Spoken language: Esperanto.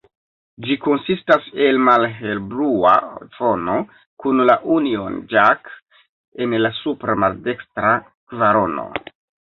Ĝi konsistas el malhelblua fono, kun la Union Jack en la supra maldekstra kvarono.